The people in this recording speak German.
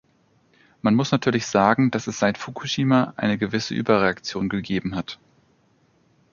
Man muss natürlich sagen, dass es seit Fukushima eine gewisse Überreaktion gegeben hat.